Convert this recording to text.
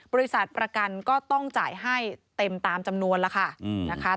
บริษัทประกันก็ต้องจ่ายให้เต็มตามจำนวนแล้วค่ะนะคะ